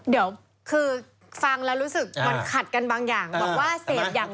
เดี๋ยวคือฟังแล้วรู้สึกมันขัดกันบางอย่าง